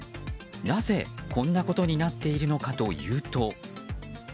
なぜこんなことになっているのかというと。